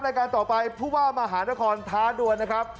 รายการต่อไปผู้ว่ามหานครท้าดวนนะครับ